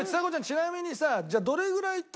ちなみにさ